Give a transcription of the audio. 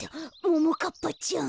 ももかっぱちゃん。